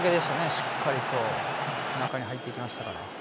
しっかりと中に入っていきましたから。